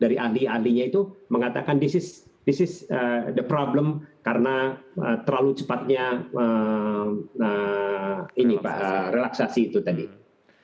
dari ahli ahlinya itu mengatakan this is this is the problem karena terlalu cepatnya relaksasi itu tadi